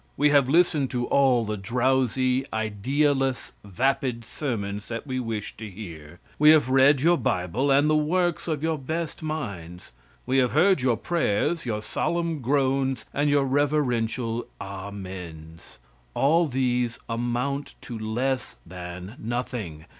We have listened to all the drowsy, idealess, vapid sermons that we wish to hear. We have read your bible and the works of your best minds. We have heard your prayers, your solemn groans and your reverential amens. All these amount to less than nothing.